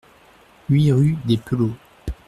huit rue des Pelauds